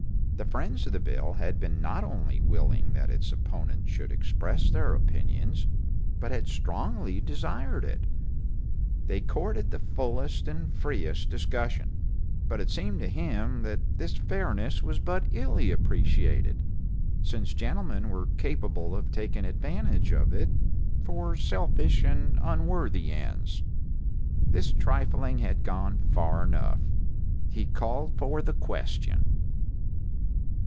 The friends of the bill had been not only willing that its opponents should express their opinions, but had strongly desired it. They courted the fullest and freest discussion; but it seemed to him that this fairness was but illy appreciated, since gentlemen were capable of taking advantage of it for selfish and unworthy ends. This trifling had gone far enough. He called for the question.